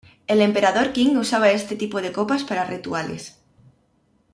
El emperador Qing usaba este tipo de copas para rituales.